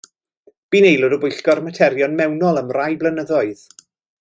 Bu'n aelod o Bwyllgor Materion Mewnol am rai blynyddoedd.